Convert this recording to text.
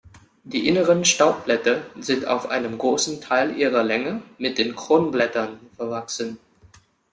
Die inneren Staubblätter sind auf einem großen Teil ihrer Länge mit den Kronblättern verwachsen.